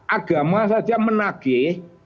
agama saja menageh